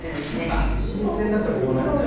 あっ新鮮だとこうなっちゃうんですね。